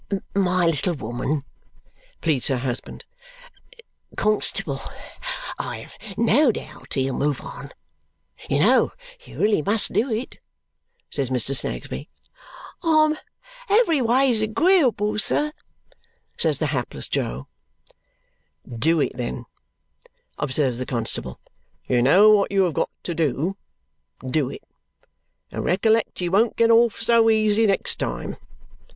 "My little woman!" pleads her husband. "Constable, I have no doubt he'll move on. You know you really must do it," says Mr. Snagsby. "I'm everyways agreeable, sir," says the hapless Jo. "Do it, then," observes the constable. "You know what you have got to do. Do it! And recollect you won't get off so easy next time.